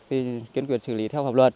thì kiên quyết xử lý theo hợp luật